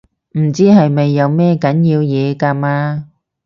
唔知係咪有咩緊要嘢㗎嘛